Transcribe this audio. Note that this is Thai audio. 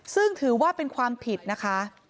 ซึ่งถือว่าเป็นความผิดนะคะ